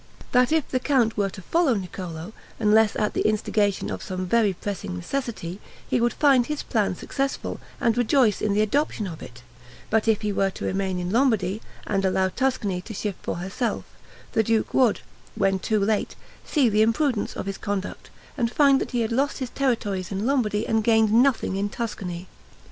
That if the count were to follow Niccolo, unless at the instigation of some very pressing necessity, he would find his plan successful, and rejoice in the adoption of it; but if he were to remain in Lombardy, and allow Tuscany to shift for herself, the duke would, when too late, see the imprudence of his conduct, and find that he had lost his territories in Lombardy and gained nothing in Tuscany.